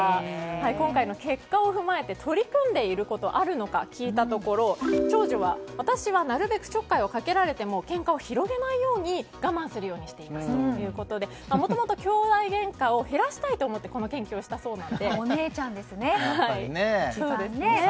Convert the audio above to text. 今回の結果を踏まえて取り組んでいることがあるのか聞いたところ長女は、私はなるべくちょっかいをかけられてもけんかを広げないように我慢するようにしていますということでもともと、きょうだいげんかを減らしたいと思ってお姉ちゃんですね。